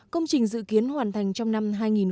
công trình dự kiến hoàn thành trong năm hai nghìn hai mươi